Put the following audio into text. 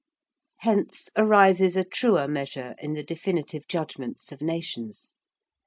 Hence arises a truer measure in the definitive judgments of nations.